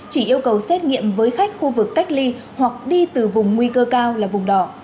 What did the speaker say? chỉ yêu cầu xét nghiệm với khách khu vực cách ly hoặc đi từ vùng nguy cơ cao là vùng đỏ